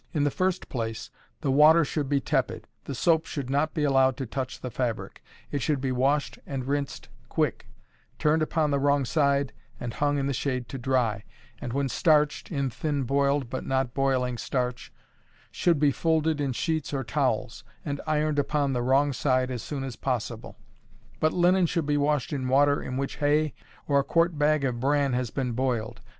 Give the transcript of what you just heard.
In the first place, the water should be tepid, the soap should not be allowed to touch the fabric; it should be washed and rinsed quick, turned upon the wrong side, and hung in the shade to dry, and when starched (in thin boiled but not boiling starch) should be folded in sheets or towels, and ironed upon the wrong side as soon as possible. But linen should be washed in water in which hay or a quart bag of bran has been boiled.